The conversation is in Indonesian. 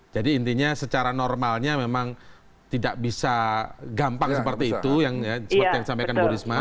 jadi intinya secara normalnya memang tidak bisa gampang seperti itu yang disampaikan bu risma